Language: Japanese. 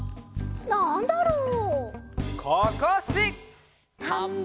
「なんだろう？